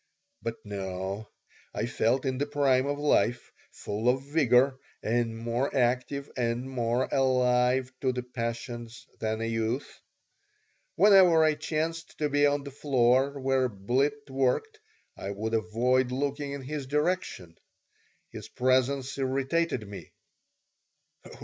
But, no, I felt in the prime of life, full of vigor, and more active and more alive to the passions than a youth Whenever I chanced to be on the floor where Blitt worked I would avoid looking in his direction. His presence irritated me.